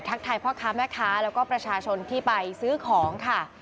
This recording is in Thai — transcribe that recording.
ทายพ่อค้าแม่ค้าแล้วก็ประชาชนที่ไปซื้อของค่ะ